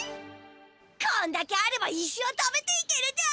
こんだけあれば一生食べていけるだ。